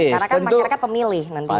karena kan masyarakat pemilih nantinya